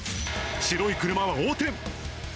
白い車は横転。